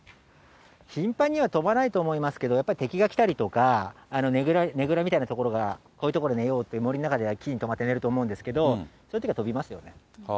頻繁には飛ばないと思いますけど、やっぱり敵が来たりとか、ねぐらみたいな所とか、こういう所寝ようと、森の中で、木に留まって寝ると思うんですが、そういうときは飛びますよ。